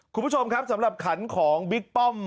คุณผู้ชมครับสำหรับขันของบิ๊กป้อม